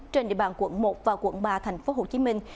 trên địa bàn quận một và quận ba thành phố hồ chí minh